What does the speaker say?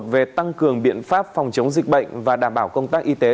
về tăng cường biện pháp phòng chống dịch bệnh và đảm bảo công tác y tế